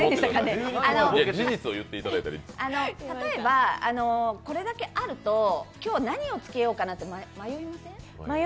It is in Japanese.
例えばこれだけあると、今日何つけようかなって迷いません？